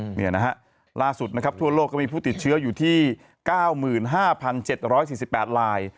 เนี่ยนะฮะล่าสุดนะครับทั่วโลกก็มีผู้ติดเชื้ออยู่ที่๙๕๗๔๘ลาย